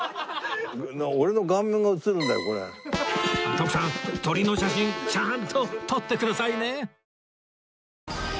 徳さん鳥の写真ちゃんと撮ってくださいね